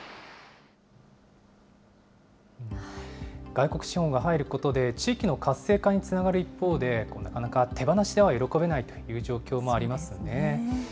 外国資本が入ることで、地域の活性化につながる一方で、なかなか手放しでは喜べないという状況がありますよね。